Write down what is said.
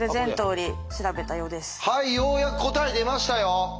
はいようやく答え出ましたよ。